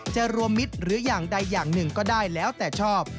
จะรวมมิตรหรืออย่างใดอย่างหนึ่งก็ได้แล้วแต่ชอบ